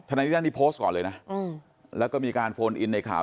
นายวิราชนี่โพสต์ก่อนเลยนะแล้วก็มีการโฟนอินในข่าว